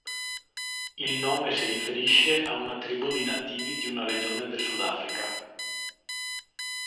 Il nome si riferisce a una tribù di nativi di una regione del Sudafrica.